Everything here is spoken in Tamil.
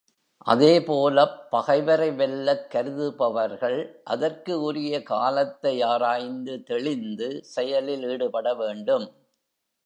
அதே போலப் பகைவரை வெல்லக் கருதுபவர்கள் அதற்கு உரிய காலத்தை ஆராய்ந்து தெளிந்து செயலில் ஈடுபட வேண்டும்.